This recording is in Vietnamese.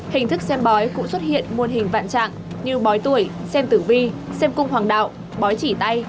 hình thức xem bói cũng xuất hiện muôn hình vạn trạng như bói tuổi xem tử vi xem cung hoàng đạo bói chỉ tay